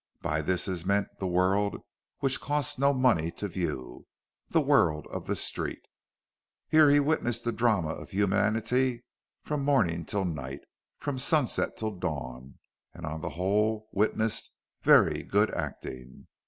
By this is meant the world which costs no money to view the world of the street. Here he witnessed the drama of humanity from morning till night, and from sunset till dawn, and on the whole witnessed very good acting.